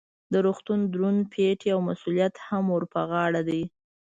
د روغتون دروند پیټی او مسؤلیت هم ور په غاړه دی.